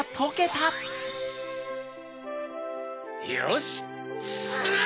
よし！